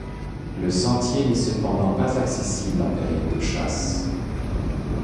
Le sentier n'est cependant pas accessible en période de chasse.